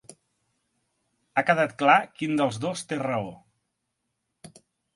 Ha quedat clar quin dels dos té raó.